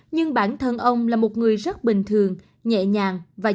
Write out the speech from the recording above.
nhưng bản thân ông là một người rất bình thường nhẹ nhàng và dễ dàng